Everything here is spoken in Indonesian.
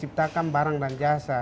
lepas itu kita membuat barang dan jasa